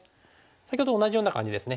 先ほどと同じような感じですね。